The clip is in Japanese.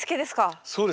そうですね。